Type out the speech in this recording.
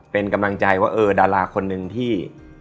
เป็นกำลังใจว่าเออดาราคนหนึ่งที่